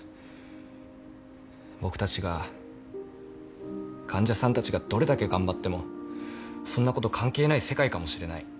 僕たちが患者さんたちがどれだけ頑張ってもそんなこと関係ない世界かもしれない。